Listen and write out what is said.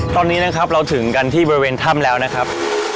ตอนนี้นะครับเราถึงกันที่บริเวณถ้ำแล้วนะครับ